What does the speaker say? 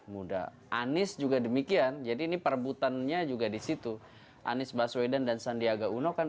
muda anies juga demikian jadi ini perebutannya juga disitu anies baswedan dan sandiaga uno kan